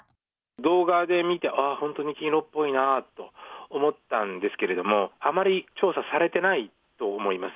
動画で見て、あー、本当に金色っぽいなと、思ったんですけれども、あまり調査されてないと思います。